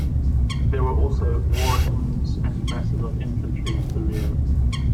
There were also war elephants and masses of infantry to the rear.